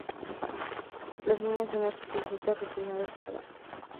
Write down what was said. Las líneas son exquisitas, refinadas y elegantes.